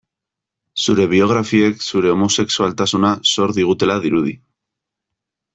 Zure biografiek zure homosexualtasuna zor digutela dirudi.